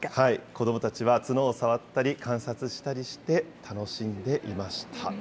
子どもたちは角を触ったり、観察したりして楽しんでいました。